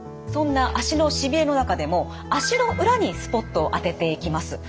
そんな足のしびれの中でも足の裏にスポットを当てていきます。